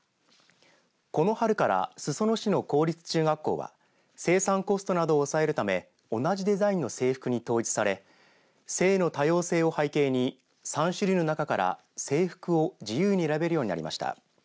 この春から裾野市の公立中学校は生産コストなどを抑えるため同じデザインの制服に統一され性の多様性を背景に３種類の中から制服を自由に選べるようになりました。